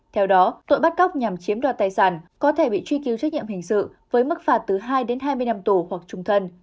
theo đó tội bắt cóc nhằm chiếm đoạt tài sản có thể bị truy cứu trách nhiệm hình sự với mức phạt từ hai đến hai mươi năm tù hoặc trung thân